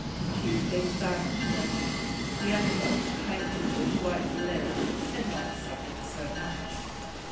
She had been varnished only; the other boats, painted with white lead, had not suffered so much.